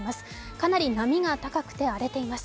かなり波が高くて荒れています。